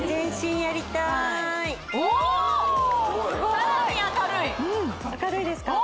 さらに明るい明るいですか？